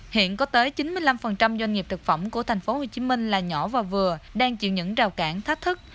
hiện có tới chín mươi năm doanh nghiệp thực phẩm của tp hcm là nhỏ và vừa đang chịu những rào cản thách thức